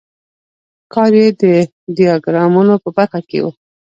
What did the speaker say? کار یې د ډیاګرامونو په برخه کې و.